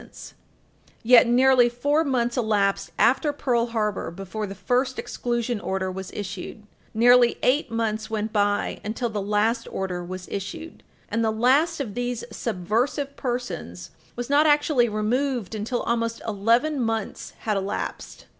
[Footnote 3/14] Yet nearly four months elapsed after Pearl Harbor before the first exclusion order was issued; nearly eight months went by until the last order was issued, and the last of these "subversive" persons was not actually removed until almost eleven months had elapsed.